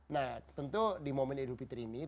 nah tentu di momen hidupi terini